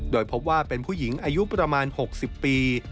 โดยพบว่าเป็นผู้หญิงอายุประมาณ๖๐ปี